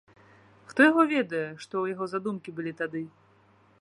Хто яго ведае, што ў яго за думкі былі тады.